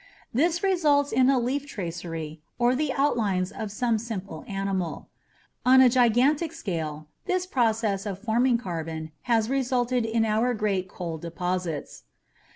This results in a leaf tracery, or the outlines of some simple animal. On a gigantic scale, this process of forming carbon has resulted in our great coal deposits.